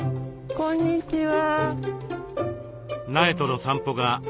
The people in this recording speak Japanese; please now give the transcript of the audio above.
こんにちは。